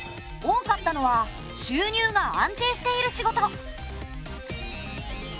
多かったのは収入が安定している仕事。